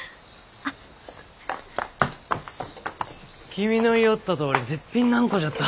君の言よったとおり絶品のあんこじゃった。